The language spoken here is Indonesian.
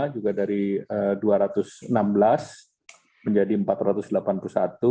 juga dari dua ratus enam belas menjadi rp empat ratus delapan puluh satu